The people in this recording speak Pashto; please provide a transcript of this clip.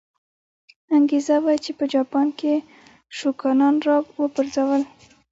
انګېزه وه چې په جاپان کې یې شوګانان را وپرځول.